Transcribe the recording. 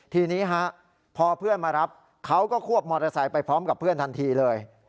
ทีนี้ฮะพอเพื่อนมารับเขาก็ควบมอเตอร์ไซค์ไปพร้อมกับเพื่อนทันทีเลย